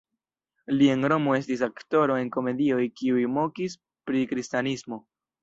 Li en Romo estis aktoro en komedioj kiuj mokis pri kristanismo.